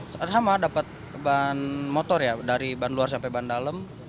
sama sama dapet ban motor ya dari ban luar sampai ban dalem